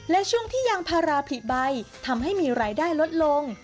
และช่วงที่ยางพาราผลิใบทำให้มีรายได้ลดลง